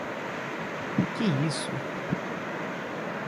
Que isso!